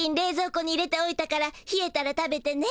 庫に入れておいたからひえたら食べてね。